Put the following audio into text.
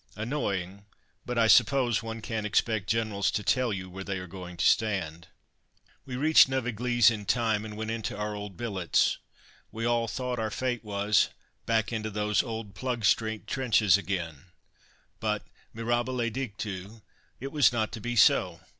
Annoying, but I suppose one can't expect Generals to tell you where they are going to stand. We reached Neuve Eglise in time, and went into our old billets. We all thought our fate was "back into those old Plugstreet trenches again," but mirabile dictu it was not to be so.